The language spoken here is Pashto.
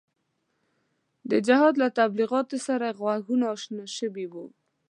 د جهاد له تبلیغاتو سره غوږونه اشنا شوي وو.